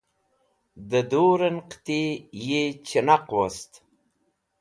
da dur'en qiti yi chinaq wost